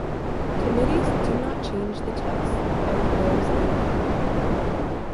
Committees do not change the texts of the bills they mark up.